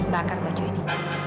bakar baju ini